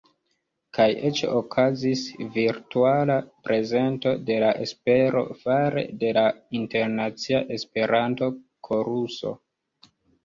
Kaj eĉ okazis virtuala prezento de La Espero fare de la Internacia Esperanto-Koruso.